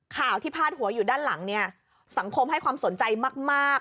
ข่าวที่พาดหัวอยู่ด้านหลังเนี่ยสังคมให้ความสนใจมาก